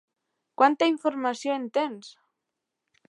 Quanta informació en tens?